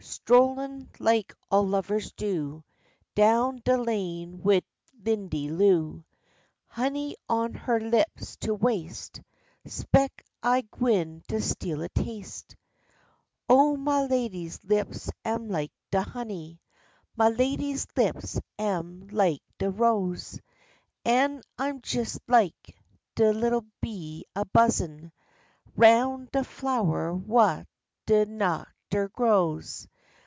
Strollin', like all lovers do, Down de lane wid Lindy Lou; Honey on her lips to waste; 'Speck I'm gwine to steal a taste. Oh, ma lady's lips am like de honey, Ma lady's lips am like de rose; An' I'm jes like de little bee a buzzin' 'Round de flower wha' de nectah grows.